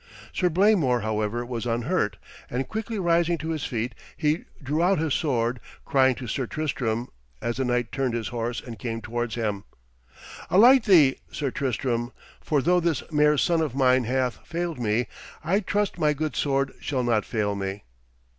Sir Blamor, however, was unhurt, and quickly rising to his feet he drew out his sword, crying to Sir Tristram, as that knight turned his horse and came towards him: 'Alight thee, Sir Tristram, for though this mare's son of mine hath failed me, I trust my good sword shall not fail me.'